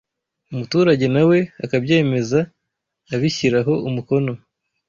umuturage nawe akabyemeza abishyiraho umukono